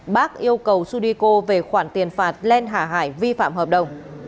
bác yêu cầu sudeko về khoản tiền phạt len hải hà vi phạm hợp đồng